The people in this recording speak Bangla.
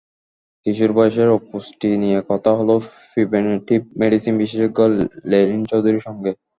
কিশোর বয়সের অপুষ্টি নিয়ে কথা হলো প্রিভেনটিভ মেডিসিন বিশেষজ্ঞ লেনিন চৌধুরীর সঙ্গে।